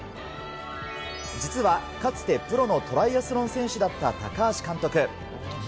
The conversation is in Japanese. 実は、かつてプロのトライアスロン選手だった高橋監督。